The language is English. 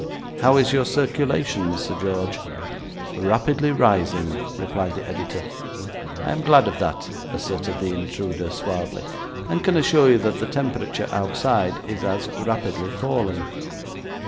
How is your circulation, Sir George?' 'Rapidly rising,' replied the editor. 'I am glad of that,' asserted the intruder, suavely, 'and can assure you that the temperature outside is as rapidly falling.'